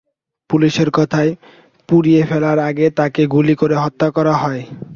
পুলিশের কথায়, পুড়িয়ে ফেলার আগে তাঁকে গুলি করে হত্যা করা হয়।